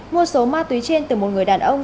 một số ma tùy trên từ một người đàn ông